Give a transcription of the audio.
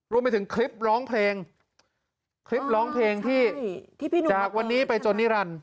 รวมไปถึงคลิปร้องเพลงคลิปร้องเพลงที่จากวันนี้ไปจนนิรันดิ